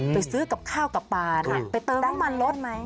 ไปซื้อกับข้าวกับปลานะไปเติมน้ำมันรถไหม